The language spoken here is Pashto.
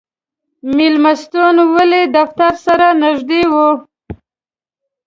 مېلمستون والي دفتر سره نږدې و.